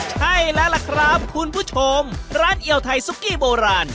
ใช่แล้วล่ะครับคุณผู้ชมร้านเอียวไทยซุกกี้โบราณ